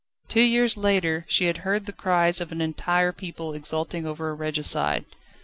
Two years later, she had heard the cries of an entire people exulting over a regicide.